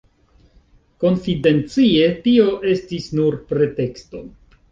Konfidencie, tio estis nur preteksto.